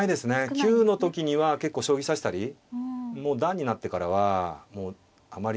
級の時には結構将棋指したり段になってからはもうあまり。